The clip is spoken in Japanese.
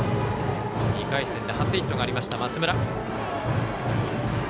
２回戦で初ヒットがありました。